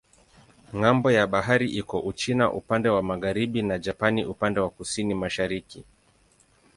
Ng'ambo ya bahari iko Uchina upande wa magharibi na Japani upande wa kusini-mashariki.